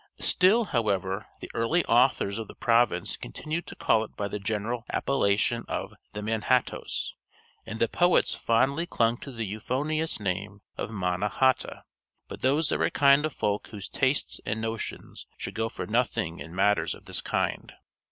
Still, however, the early authors of the province continued to call it by the general appelation of "The Manhattoes," and the poets fondly clung to the euphonious name of Manna hata; but those are a kind of folk whose tastes and notions should go for nothing in matters of this kind.